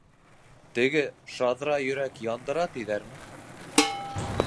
Теге, шаҙра йөрәк яндыра тиҙәрме?